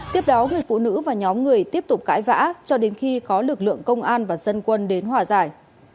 tiếp đó người phụ nữ và nhóm người tiếp tục cãi vã cho đến khi có lực lượng công an và dân quân đến hòa giải